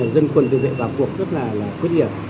dân quân tự vệ vào cuộc rất là quyết liệt